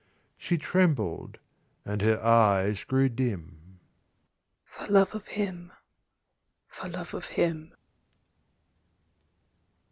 She trembled, and her eyes grew dim: "For love of Him, for love of Him."